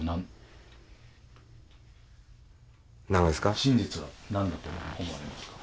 真実は何だと思われますか？